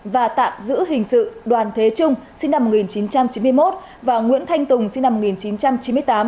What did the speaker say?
và tạm giữ hình sự đoàn thế trung sinh năm một nghìn chín trăm chín mươi một và nguyễn thanh tùng sinh năm một nghìn chín trăm chín mươi tám